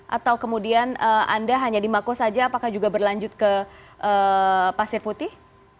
atau kemudian anda hanya di mako saja apakah juga berlanjut ke pasir putih